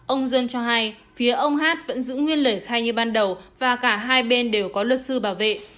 ông john cho hay phía ông hát vẫn giữ nguyên lời khai như ban đầu và cả hai bên đều có luật sư bảo vệ